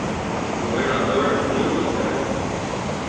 Governador Newton Bello